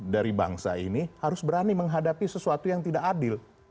dari bangsa ini harus berani menghadapi sesuatu yang tidak adil